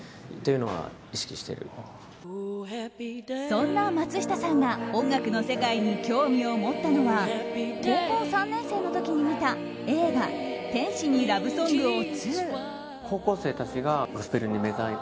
そんな松下さんが音楽の世界に興味を持ったのは高校３年生の時に見た映画「天使にラブ・ソングを２」。